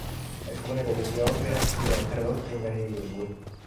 Alcune delle sue opere furono tradotta in varie lingue.